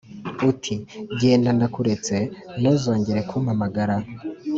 Uti: genda ndakuretse nuzongere kumpamagara